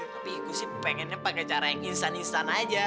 tapi gue sih pengennya pakai cara yang instan instan aja